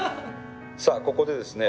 さあここでですね